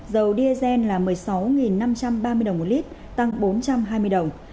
dầu diesel là một mươi sáu năm trăm ba mươi đồng một lít tăng bốn trăm hai mươi đồng